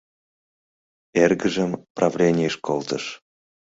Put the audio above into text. Эргыжым правленийыш колтыш.